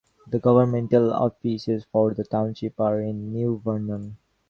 The governmental offices for the township are in New Vernon.